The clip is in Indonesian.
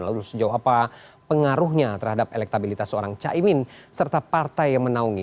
lalu sejauh apa pengaruhnya terhadap elektabilitas seorang caimin serta partai yang menaungi